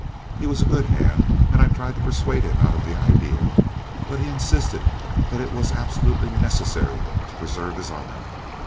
He was a good hand and I tried to persuade him out of the idea, but he insisted that it was absolutely necessary to preserve his honor.